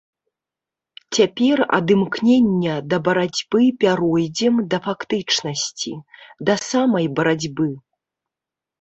Цяпер ад імкнення да барацьбы пяройдзем да фактычнасці, да самай барацьбы.